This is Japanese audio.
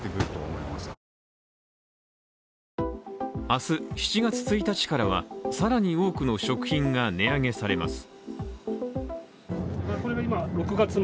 明日、７月１日からは更に多くの食品が値上げされます。